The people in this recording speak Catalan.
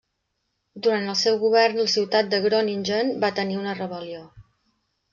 Durant el seu govern, la ciutat de Groningen va tenir una rebel·lió.